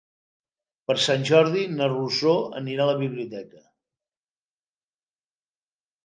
Per Sant Jordi na Rosó anirà a la biblioteca.